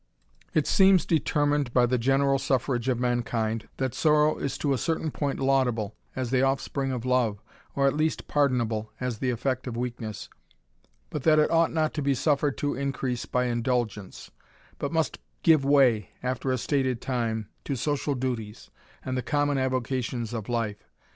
It seems determined by the general suffrage of mankind, that sorrow is to a certain point laudable, as the offspring of love, or at least pardonable, as the effect of weakness ; but that it ought not to be suffered to increase by indulgence, but must give way, after a stated time, to social duties, and the common avocations of life.